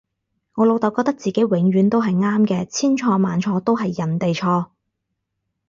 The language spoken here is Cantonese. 我老竇覺得自己永遠都係啱嘅，千錯萬錯都係人哋錯